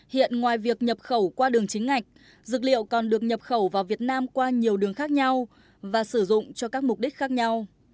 hiện ngoài việc nhập khẩu qua đường chính ngạch dược liệu còn được nhập khẩu vào việt nam qua nhiều đường khác nhau và sử dụng cho các mục đích khác nhau